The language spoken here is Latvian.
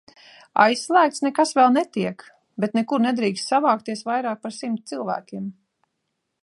Aizslēgts nekas vēl netiek, bet nekur nedrīkst savākties vairāk par simt cilvēkiem.